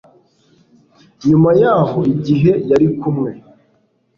Nyuma yaho igihe yari kumwe